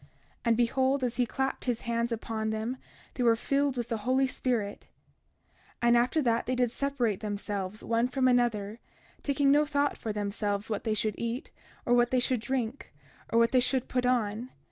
And behold, as he clapped his hands upon them, they were filled with the Holy Spirit. 31:37 And after that they did separate themselves one from another, taking no thought for themselves what they should eat, or what they should drink, or what they should put on.